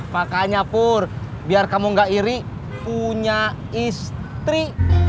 makanya pur biar kamu gak iri punya istri